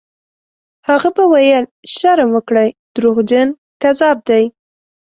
هغه به ویل: «شرم وکړئ! دروغجن، کذاب دی».